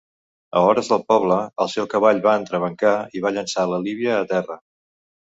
A hores del poble, el seu cavall va entrebancar i va llençar la Livia a terra.